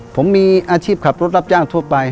ผมมีอาชีพขับรถรับจ้างทั่วไป